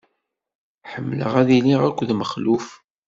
Ḥemmleɣ ad iliɣ akked Mexluf.